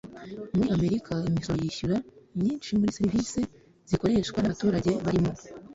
Muri Amerika imisoro yishyura nyinshi muri serivise zikoreshwa n abaturage barimo